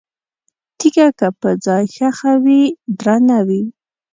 تیګه که په ځای ښخه وي، درنه وي؛